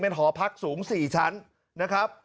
หอพักสูง๔ชั้นนะครับ